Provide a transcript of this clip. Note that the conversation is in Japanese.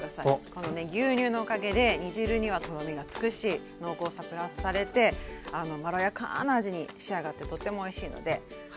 このね牛乳のおかげで煮汁にはとろみがつくし濃厚さプラスされてまろやかな味に仕上がってとってもおいしいので。